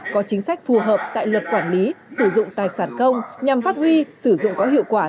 có chính sách phù hợp tại luật quản lý sử dụng tài sản công nhằm phát huy sử dụng có hiệu quả